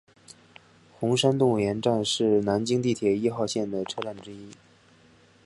红山动物园站是南京地铁一号线的车站之一。